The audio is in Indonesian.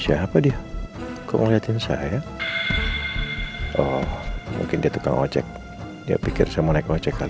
siapa dia kau ngeliatin saya oh mungkin dia tukang ojek dia pikir sama nek ojek kali